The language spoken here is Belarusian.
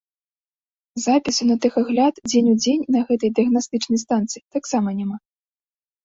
Запісу на тэхагляд дзень у дзень на гэтай дыягнастычнай станцыі таксама няма.